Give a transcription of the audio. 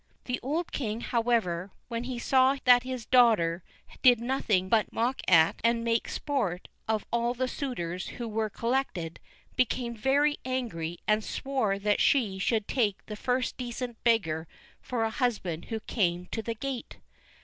The old king, however, when he saw that his daughter did nothing but mock at and make sport of all the suitors who were collected, became very angry, and swore that she should take the first decent beggar for a husband who came to the gate.